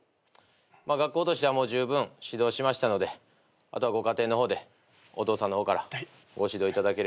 学校としてはもうじゅうぶん指導しましたのであとはご家庭の方でお父さんの方からご指導いただければと思います。